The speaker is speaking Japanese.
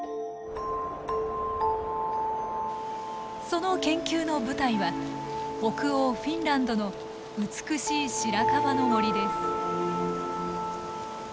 その研究の舞台は北欧フィンランドの美しいシラカバの森です。